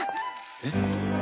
えっ？